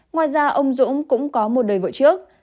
ngoài ra ông dũng cũng có một đời vợ trước